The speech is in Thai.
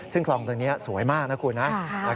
ซึ่งคลองตรงนี้สวยมากนะคุณนะ